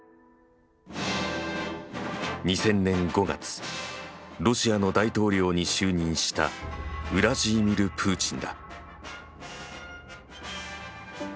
２０００年５月ロシアの大統領に就任したウラジーミル・プーチンだ。